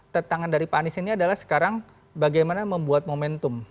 tentangan dari pak anies ini adalah sekarang bagaimana membuat momentum